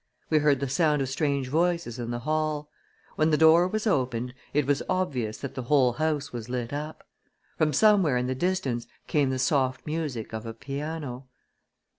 We heard the sound of strange voices in the hall. When the door was opened it was obvious that the whole house was lit up. From somewhere in the distance came the soft music of a piano.